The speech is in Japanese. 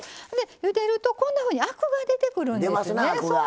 ゆでるとこんなふうにアクが出てくるんですね。